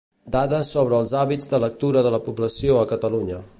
Dades sobre els hàbits de lectura de la població a Catalunya.